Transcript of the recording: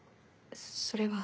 それは。